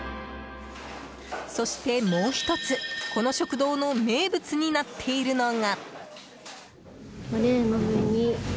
そして、もう１つこの食堂の名物になっているのが。